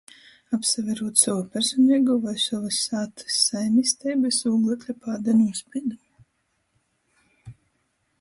Apsaverūt sovu personeigū voi sovys sātys saimisteibys ūglekļa pāda nūspīdumu.